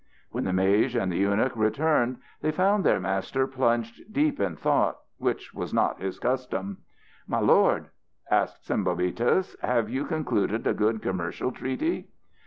When the mage and the eunuch returned they found their master plunged deep in thought which was not his custom. "My lord!" asked Sembobitis, "have you concluded a good commercial treaty?"